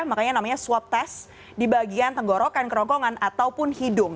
makanya namanya swab test di bagian tenggorokan kerongkongan ataupun hidung